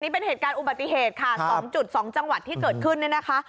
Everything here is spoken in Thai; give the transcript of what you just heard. เป็นเหตุการณ์อุบัติเหตุค่ะ๒๒จังหวัดที่เกิดขึ้นเนี่ยนะคะ